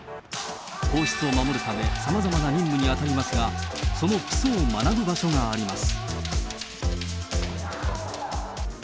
皇室を守るため、さまざまな任務に当たりますが、その基礎を学ぶ場所があります。